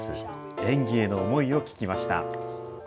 演技への思いを聞きました。